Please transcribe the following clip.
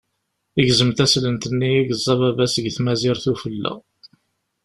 Igzem taslent-nni i yeẓẓa baba-s deg tmazirt ufella.